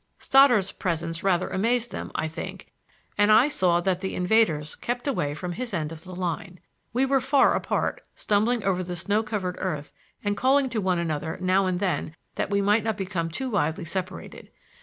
Stoddard's presence rather amazed them, I think, and I saw that the invaders kept away from his end of the line. We were far apart, stumbling over the snow covered earth and calling to one another now and then that we might not become too widely separated.